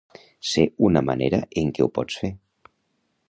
Sé una manera en què ho pots fer.